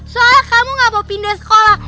soalnya kamu gak mau pindah sekolah